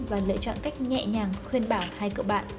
và lựa chọn cách nhẹ nhàng khuyên bảo hai cậu bạn